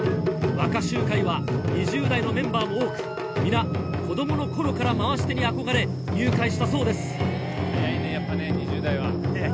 若衆会は、２０代のメンバーも多く、皆、子どものころから回し手に憧れ、入会したそうです。